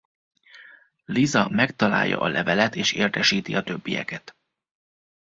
Lisa megtalálja a levelet és értesíti a többieket.